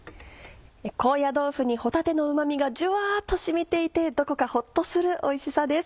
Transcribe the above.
高野豆腐に帆立のうま味がジュワっと染みていてどこかほっとするおいしさです。